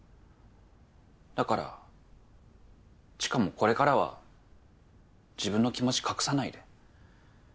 だから知花もこれからは自分の気持ち隠さないで。